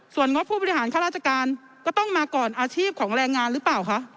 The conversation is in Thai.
ส่วนงบผู้บริหารค่าราชการก็ต้องมาก่อนอาชีพของแรงงานหรือเปล่าคะ